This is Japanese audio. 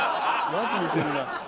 マジ似てるな。